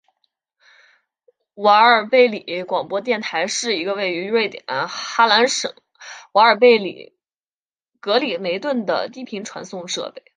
瓦尔贝里广播电台是一个位于瑞典哈兰省瓦尔贝里格里梅顿的低频传送设备。